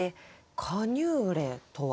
カニューレとは？